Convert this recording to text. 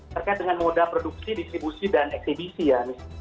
terkait dengan moda produksi distribusi dan ekstribisi ya